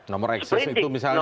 nomor xx itu misalnya ya